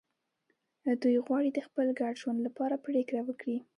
دوی غواړي د خپل ګډ ژوند لپاره پرېکړه وکړي.